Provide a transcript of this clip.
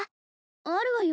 あるわよ